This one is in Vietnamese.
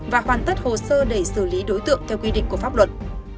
và hoàn tất hồ sơ để xử lý đối tượng theo quy định của pháp luật